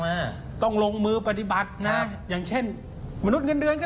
มาต้องลงมือปฏิบัตินะอย่างเช่นมนุษย์เงินเดือนก็